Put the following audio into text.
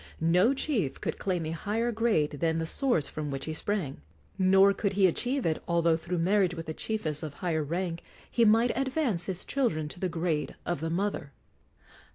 No chief could claim a higher grade than the source from which he sprang; nor could he achieve it, although through marriage with a chiefess of higher rank he might advance his children to the grade of the mother.